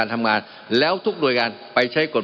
มันมีมาต่อเนื่องมีเหตุการณ์ที่ไม่เคยเกิดขึ้น